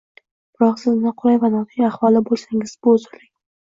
Biroq siz noqulay va notinch ahvolda bo‘lsangiz bu uzrli.